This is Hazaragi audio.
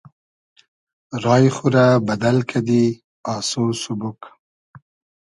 رای خو رۂ بئدئل کئدی آسۉ سوبوگ